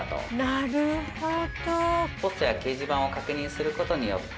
なるほど。